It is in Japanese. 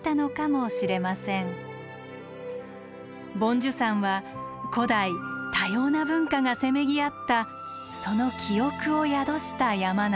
梵珠山は古代多様な文化がせめぎ合ったその記憶を宿した山なのです。